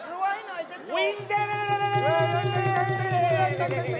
รวยหน่อยจนได้วิ่งเต้น